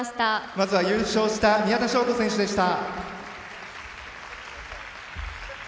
まず優勝した宮田笙子選手でした。